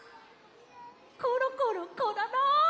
コロコロコロロ！